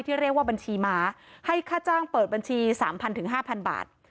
ที่เรียกว่าบัญชีม้าให้ค่าจ้างเปิดบัญชีสามพันถึงห้าพันบาท